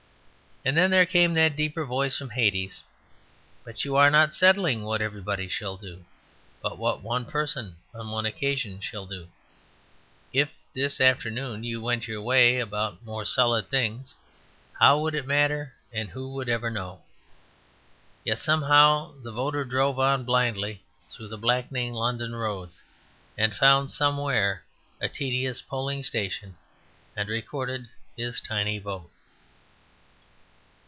And then there came that deeper voice from Hades, "But you are not settling what everybody shall do, but what one person on one occasion shall do. If this afternoon you went your way about more solid things, how would it matter and who would ever know?" Yet somehow the voter drove on blindly through the blackening London roads, and found somewhere a tedious polling station and recorded his tiny vote.